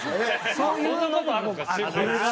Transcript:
そんなのもあるんですか？